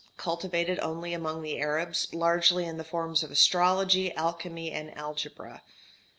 _ Cultivated only among the Arabs; largely in the forms of astrology, alchemy, and algebra.